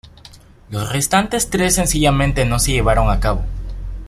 Los restantes tres sencillamente no se llevaron a cabo.